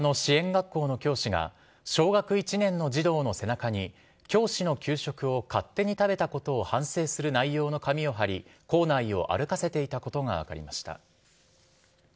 学校の教師が、小学１年の児童の背中に、教師の給食を勝手に食べたことを反省する内容の紙を貼り、校内を歩かせていたことが分かりました。